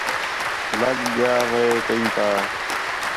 لڳ ڳِیا وے کَئی تا